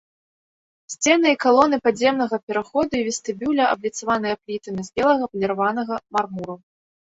Сцены і калоны падземнага пераходу і вестыбюля абліцаваныя плітамі з белага паліраванага мармуру.